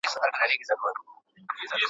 طبله ځانته نه وهل کېږي.